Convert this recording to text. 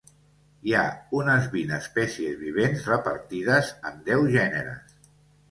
N'hi ha unes vint espècies vivents repartides en deu gèneres.